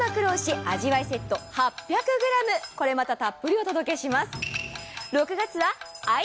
これまたたっぷりお届けします。